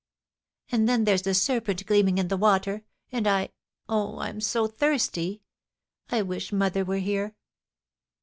And then there's the serpent gleaming in the water .... and oh, I'm so thirsty ! I wish mother were here.'